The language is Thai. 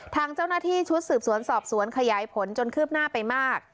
ทางเจ้าหน้าที่ชุดสืบสวนสอบสวนขยายผลจนคืบหน้าไปมาก